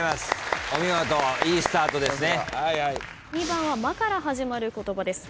２番は「ま」から始まる言葉です。